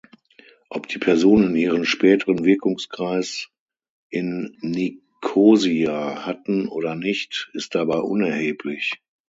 Ob die Personen ihren späteren Wirkungskreis in Nikosia hatten oder nicht, ist dabei unerheblich.